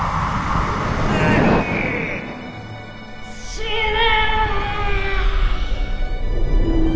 死ね！